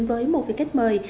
với một vị khách mời